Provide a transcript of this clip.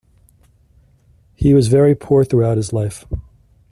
He was very poor throughout his life.